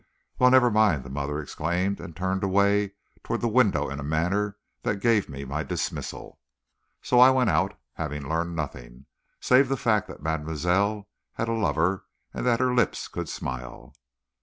"Well, never mind," the mother exclaimed, and turned away toward the window in a manner that gave me my dismissal. So I went out, having learned nothing, save the fact that mademoiselle had a lover, and that her lips could smile.